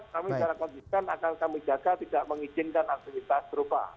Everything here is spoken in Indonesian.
kami secara konsisten akan kami jaga tidak mengizinkan aktivitas serupa